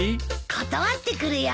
断ってくるよ。